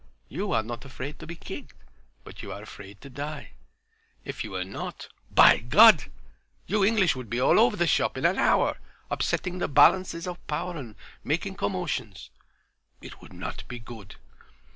You are not afraid to be kicked, but you are afraid to die. If you were not, by God! you English would be all over the shop in an hour, upsetting the balances of power, and making commotions. It would not be good.